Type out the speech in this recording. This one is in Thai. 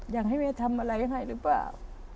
อยากให้แม่ทำอะไรให้หรือเปล่า